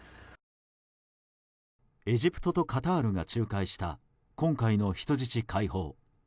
エジプトとカタールが仲介した今回の人質解放。